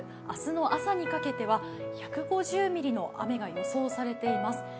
明日の朝にかけては１５０ミリの雨が予想されています。